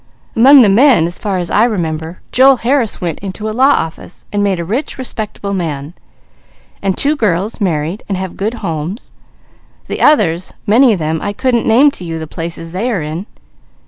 Among the men as far as I remember, Joel Harris went into a law office and made a rich, respectable man; and two girls married and have good homes; the others, many of them, I couldn't name to you the places they are in.